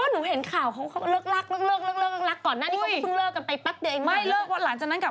สรุปนี่เขาไม่เลิกกันแล้วใช่ร้ะ